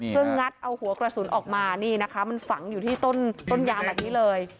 เพื่องัดเอาหัวกระสุนออกมานี่นะคะมันฝังอยู่ที่ต้นยางแบบนี้เลย